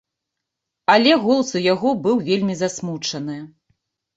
Але голас у яго быў вельмі засмучаны.